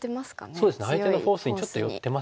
そうですね相手のフォースにちょっと寄ってますよね。